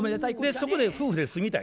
そこで夫婦で住みたい。